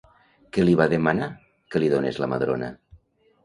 Què li va demanar que li donés la Madrona?